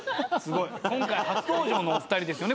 今回初登場のお二人ですよね